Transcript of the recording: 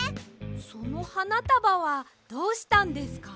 そのはなたばはどうしたんですか？